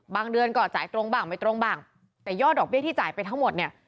เดือนก็จ่ายตรงบ้างไม่ตรงบ้างแต่ยอดดอกเบี้ยที่จ่ายไปทั้งหมดเนี่ย